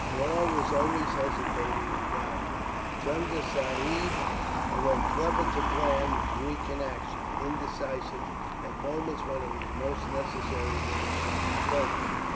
Law was always hesitating and doubting. Chunda Sahib, although clever to plan, was weak in action; indecisive, at moments when it was most necessary that he should be firm.